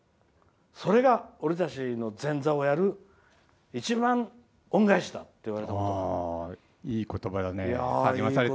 それが俺たちの前座をやる一番の恩返しだって言われたことがあるの。